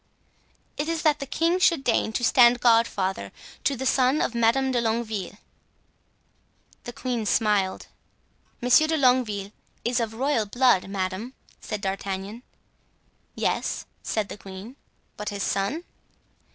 "It is that the king should deign to stand godfather to the son of Madame de Longueville." The queen smiled. "Monsieur de Longueville is of royal blood, madame," said D'Artagnan. "Yes," said the queen; "but his son?"